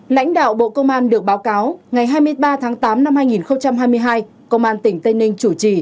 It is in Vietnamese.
lãnh đạo bộ công an được báo cáo ngày hai mươi ba tháng tám năm hai nghìn hai mươi hai công an tỉnh tây ninh chủ trì